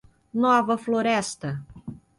Nova Floresta